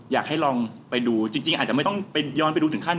อยากให้ลองไปดูจริงอาจจะไม่ต้องไปย้อนไปดูถึงขั้น